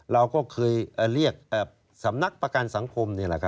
เราก็เคยเรียกสำนักประกันสังคม